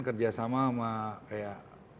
kerjasama sama kayak